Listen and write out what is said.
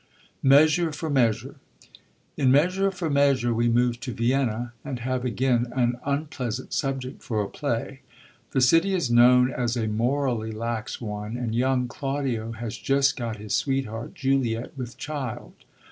Measube fob Measure.— In Measure for Measure we move to Vienna, and have again an unpleasant subject for a play. The city is known as a morally lax one, and young Claudio has just got his sweetheart Juliet with child.